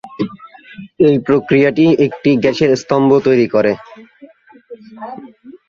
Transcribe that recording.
এই প্রক্রিয়াটি একটি গ্যাসের স্তম্ভ তৈরি করে।